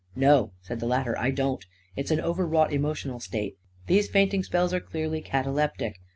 " No," said the latter, " I don't It's an over wrought emotional state. These fainting spells are clearly cataleptic.